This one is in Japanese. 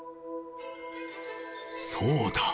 そうだ。